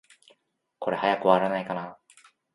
これ、早く終わらないかな。